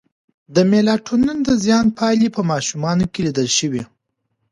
د میلاټونین د زیان پایلې په ماشومانو کې لیدل شوې.